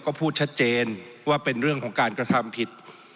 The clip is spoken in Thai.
ก็พูดชัดเจนว่าเป็นเรื่องของการกระทำผิด